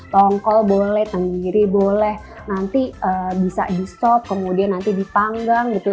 tongkol boleh tenggiri boleh nanti bisa di stop kemudian nanti dipanggang gitu